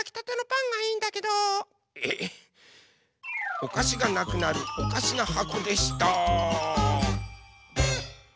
おかしがなくなるおかしなはこでした！